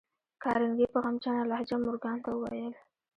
کارنګي په غمجنه لهجه مورګان ته وویل